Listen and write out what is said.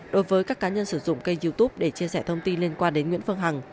đối với các cá nhân sử dụng kênh youtube để chia sẻ thông tin liên quan đến nguyễn phương hằng